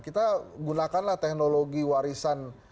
kita gunakanlah teknologi warisan